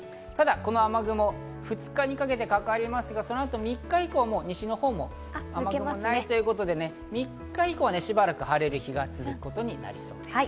この雨雲、２日にかけてかかりますが、３日以降、西のほうも雨雲がないということで、３日以降はしばらく晴れる日が続くことになりそうです。